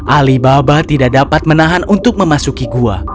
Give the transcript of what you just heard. alibaba tidak dapat menahan untuk memasuki gua